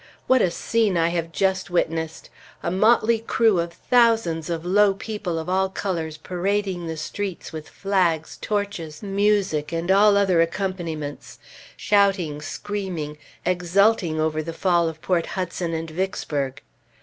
What a scene I have just witnessed! A motley crew of thousands of low people of all colors parading the streets with flags, torches, music, and all other accompaniments, shouting, screaming, exulting over the fall of Port Hudson and Vicksburg.